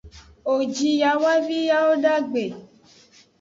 Wo ji yawavi yawodagbe.